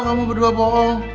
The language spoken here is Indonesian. kamu berdua bohong